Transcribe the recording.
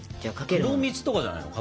黒蜜とかじゃないの？